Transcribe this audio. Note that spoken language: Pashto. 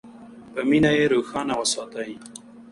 په مینه یې روښانه وساتئ.